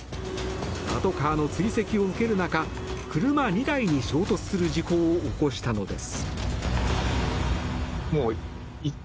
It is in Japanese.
パトカーの追跡を受ける中車２台に衝突する事故を起こしたのです。